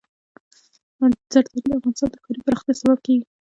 زردالو د افغانستان د ښاري پراختیا سبب کېږي.